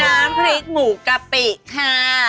น้ำพริกหมูกะปิค่ะ